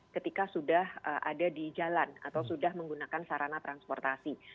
ketika sudah ada di jalan atau sudah menggunakan sarana transportasi